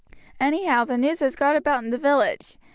Anyhow, the news has got about in the village.